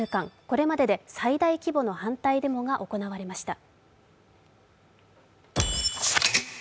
これまでで最大規模の反対デモが行われました。